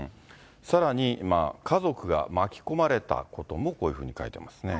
さらに家族が巻き込まれたこともこういうふうに書いてますね。